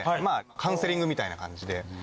カウンセリングみたいな感じで。